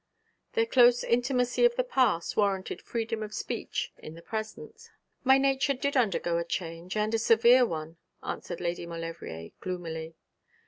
Their close intimacy of the past warranted freedom of speech in the present. 'My nature did undergo a change, and a severe one,' answered Lady Maulevrier, gloomily.